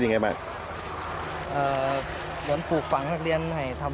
ชอบไหม